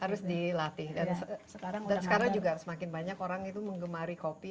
harus dilatih dan sekarang juga semakin banyak orang itu mengemari kopi